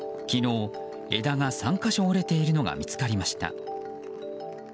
昨日、枝が３か所折れているのが見つかりました。